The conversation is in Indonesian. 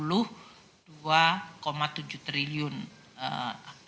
lebih dari seperempatnya dari totalnya